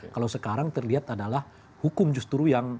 kalau sekarang terlihat adalah hukum justru yang